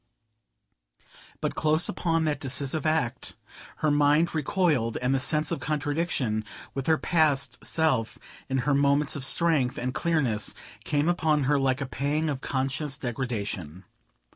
But close upon that decisive act, her mind recoiled; and the sense of contradiction with her past self in her moments of strength and clearness came upon her like a pang of conscious degradation.